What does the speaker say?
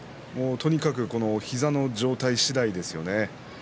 とにかく膝の状態次第ですね。